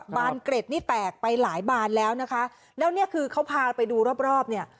บานเกร็ดนี่แตกไปหลายบานแล้วนะคะแล้วเนี่ยคือเขาพาไปดูรอบรอบเนี่ย